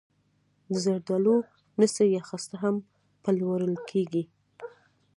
د زردالو نڅي یا خسته هم پلورل کیږي.